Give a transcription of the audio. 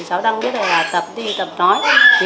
cháu đang biết là tập đi tập nói